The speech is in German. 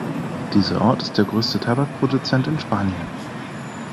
Dieser Ort ist der größte Tabakproduzent in Spanien.